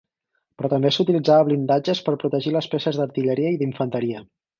Però també s'utilitzava blindatges per protegir les peces d'artilleria i d'infanteria.